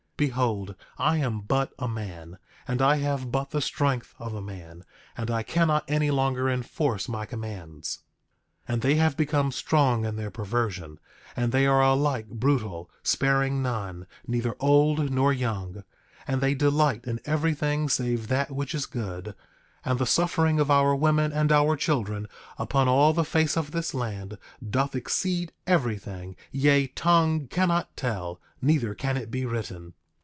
Behold, I am but a man, and I have but the strength of a man, and I cannot any longer enforce my commands. 9:19 And they have become strong in their perversion; and they are alike brutal, sparing none, neither old nor young; and they delight in everything save that which is good; and the suffering of our women and our children upon all the face of this land doth exceed everything; yea, tongue cannot tell, neither can it be written.